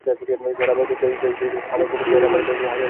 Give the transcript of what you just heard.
সারা বছর দেশ-বিদেশ থেকে কামারপুকুর-জয়রামবাটিতে আসেন হাজার হাজার পর্যটক।